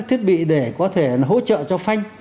thiết bị để có thể hỗ trợ cho phanh